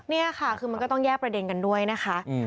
นี่ค่ะคือมันก็ต้องแยกประเด็นกันด้วยนะคะ